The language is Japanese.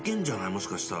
もしかしたら。